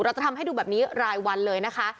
จะทำให้ดูแบบนี้รายวันเลยนะคะ